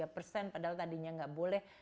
padahal tadinya gak boleh